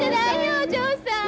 お嬢さん。